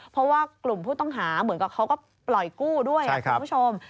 เพราะว่ากลุ่มผู้ต้องหาเหมือนกับเขาก็ปล่อยกู้ด้วยครับคุณผู้ชม